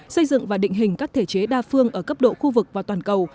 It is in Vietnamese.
xây dựng và định hình các thể chế đa phương ở cấp độ khu vực và toàn cầu